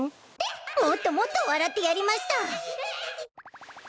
もっともっと笑ってやりました。